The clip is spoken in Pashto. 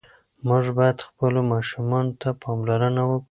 موږ باید خپلو ماشومانو ته پاملرنه وکړو.